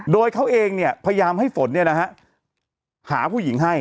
โดยเขาเองเนี่ยพยายามให้ฝนเนี่ยนะฮะหาผู้หญิงให้